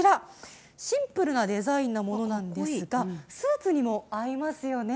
シンプルなデザインのものなんですがスーツにも合いますよね。